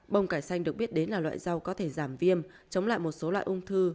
bông cải xanh được biết đến là loại rau có thể giảm viêm chống lại một số loại ung thư